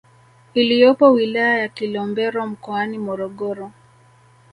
iliyopo wilaya ya Kilombero mkoani Morogoro